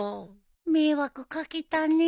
迷惑掛けたねえ。